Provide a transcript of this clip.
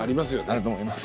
あると思います。